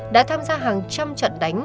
đã tham gia hàng trăm trận đánh